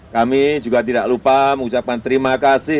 kami juga tidak lupa mengucapkan terima kasih